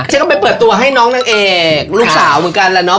ฉันก็ไปเปิดตัวให้น้องน้องเอกลูกสาวเหมือนกันนะ